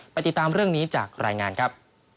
ติดตามเรื่องนี้จากรายงานครับ